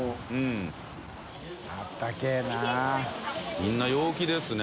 みんな陽気ですね。